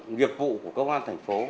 nghiệp vụ của công an thành phố